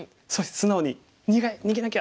素直に逃げなきゃ。